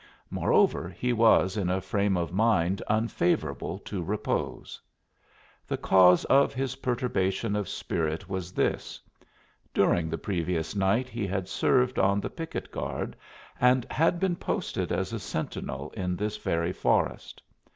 Moreover, he was in a frame of mind unfavorable to repose. The cause of his perturbation of spirit was this: during the previous night he had served on the picket guard, and had been posted as a sentinel in this very forest.